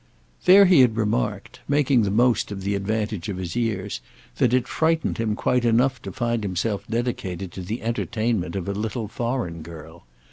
Then he had remarked—making the most of the advantage of his years—that it frightened him quite enough to find himself dedicated to the entertainment of a little foreign girl.